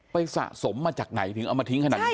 สะสมมาจากไหนถึงเอามาทิ้งขนาดนี้